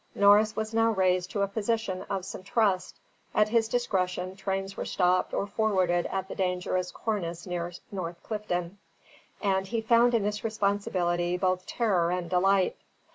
Norris was now raised to a position of some trust; at his discretion, trains were stopped or forwarded at the dangerous cornice near North Clifton; and he found in this responsibility both terror and delight.